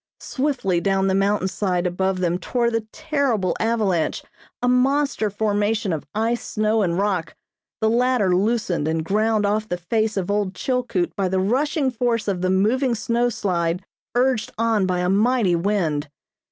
Swiftly down the mountain side above them tore the terrible avalanche, a monster formation of ice, snow and rock, the latter loosened and ground off the face of old Chilkoot by the rushing force of the moving snowslide urged on by a mighty wind.